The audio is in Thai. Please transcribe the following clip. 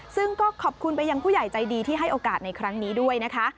ซึ่งก็ขอบคุณไปยังผู้ใหญ่ใจดีที่ให้โอกาสในครั้งนี้ด้วยนะคะ